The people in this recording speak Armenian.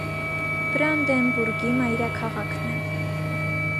Բրանդենբուրգի մայրաքաղաքն է։